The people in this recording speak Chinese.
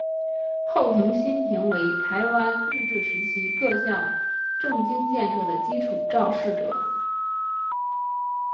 后藤新平为台湾日治时期各项政经建设的基础肇始者。